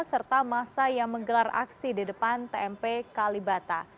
serta masa yang menggelar aksi di depan tmp kalibata